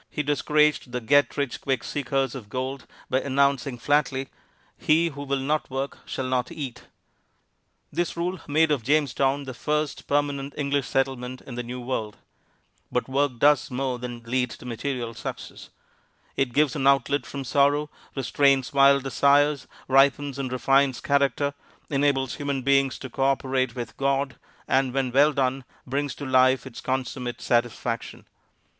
he discouraged the get rich quick seekers of gold by announcing flatly, "He who will not work shall not eat." This rule made of Jamestown the first permanent English settlement in the New World. But work does more than lead to material success. It gives an outlet from sorrow, restrains wild desires, ripens and refines character, enables human beings to cooperate with God, and when well done, brings to life its consummate satisfaction.